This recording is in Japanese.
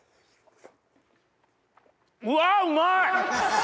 うわうまい！